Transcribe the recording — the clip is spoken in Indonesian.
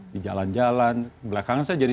di jalan jalan belakangan saya jadi